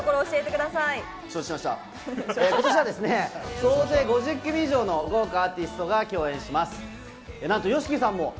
今年は総勢５０組以上の豪華アーティストが共演します。